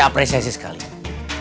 udah bisa lihat aja kalian